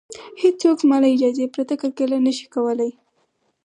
هېڅوک زما له اجازې پرته کرکیله نشي کولی